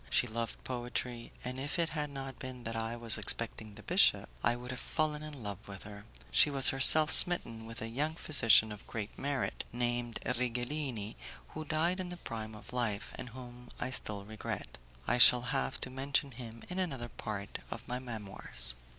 She loved poetry, and if it had not been that I was expecting the bishop, I would have fallen in love with her. She was herself smitten with a young physician of great merit, named Righelini, who died in the prime of life, and whom I still regret. I shall have to mention him in another part of my Memoirs.